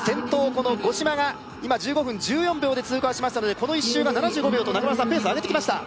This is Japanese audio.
この五島が今１５分１４秒で通過をしましたのでこの１周が７５秒と中村さんペースを上げてきました